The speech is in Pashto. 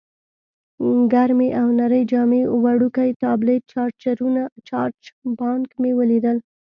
ګرمې او نرۍ جامې، وړوکی ټابلیټ، چارجرونه، چارج بانک مې ولیدل.